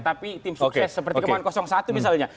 tapi tim sukses seperti kemarin satu misalnya